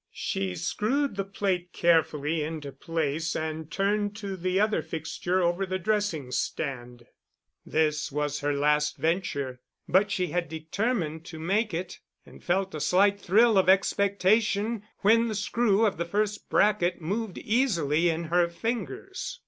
She screwed the plate carefully into place and turned to the other fixture over the dressing stand. This was her last venture, but she had determined to make it, and felt a slight thrill of expectation when the screw of the first bracket moved easily in her fingers.